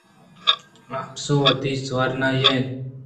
اپس ءَ وتی ورنائی دات